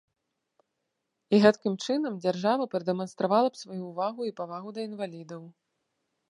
І гэткім чынам дзяржава прадэманстравала б сваю ўвагу і павагу да інвалідаў.